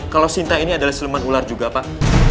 kalau sinta ini adalah seleman ular juga pak